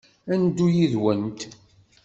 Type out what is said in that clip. Ad neddu yid-went.